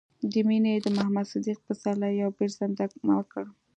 مينې د محمد صديق پسرلي يو بيت زمزمه کړ